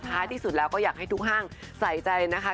ที่สุดแล้วก็อยากให้ทุกห้างใส่ใจนะคะ